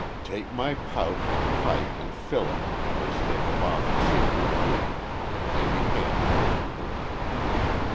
"Take my pouch and pipe, and fill it, as they have often seen you do," and he handed it to her.